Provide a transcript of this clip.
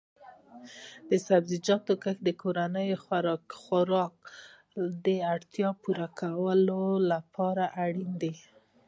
د سبزیجاتو کښت د کورنیو خوړو د اړتیا پوره کولو لپاره اړین دی.